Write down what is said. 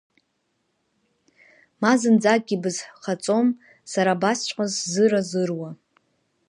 Ма зынӡакгьы ибызхаҵом, сара абасҵәҟьа сзыруазыруа…